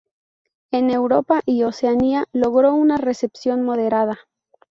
En Europa y Oceanía logró una recepción moderada.